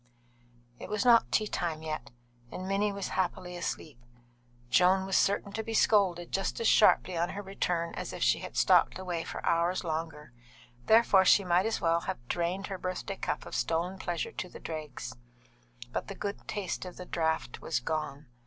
It was not tea time yet, and Minnie was happily asleep; Joan was certain to be scolded just as sharply on her return as if she had stopped away for hours longer, therefore she might as well have drained her birthday cup of stolen pleasure to the dregs; but the good taste of the draught was gone.